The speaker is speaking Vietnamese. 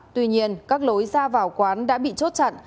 tuy nhiên các lối ra vào quán đã bị chốt chặn